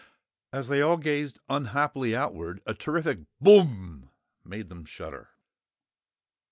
As they all gazed unhappily outward, a terrific "BOOM" made them all shudder.